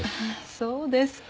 そうですか。